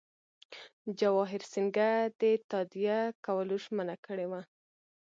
جواهر سینګه د تادیه کولو ژمنه کړې وه.